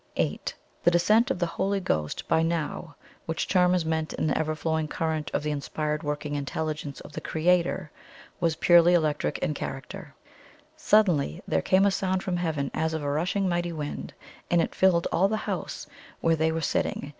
"8. The descent of the Holy Ghost, by which term is meant an ever flowing current of the inspired working Intelligence of the Creator, was purely electric in character: 'Suddenly there came a sound from Heaven as of a rushing mighty wind, and it filled all the house where they were sitting.